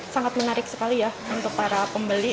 sangat menarik sekali ya untuk para pembeli